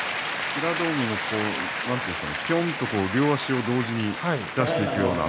平戸海ぴょんと、両足を同時に出していくような